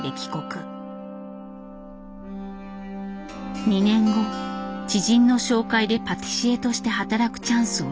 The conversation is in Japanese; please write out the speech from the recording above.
２年後知人の紹介でパティシエとして働くチャンスを得た。